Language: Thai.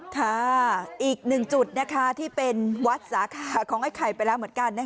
ค่ะอีกหนึ่งจุดที่เป็นวัดสาขาของไอ้ไข่ไปแล้วเหมือนกัน